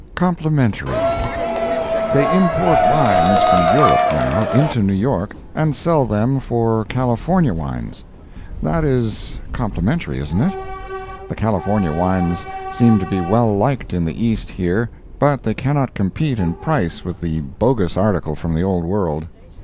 Complimentary. They import wines from Europe, now, into New York, and sell them for California wines. That is complimentary, isn't it? The California wines seem to be well liked in the East here, but they cannot compete in price with the bogus article from the Old World.